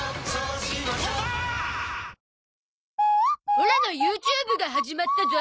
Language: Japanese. オラの ＹｏｕＴｕｂｅ が始まったゾ